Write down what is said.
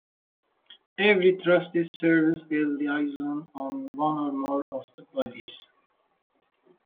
Every Trustee serves a liaison on one or more of the bodies.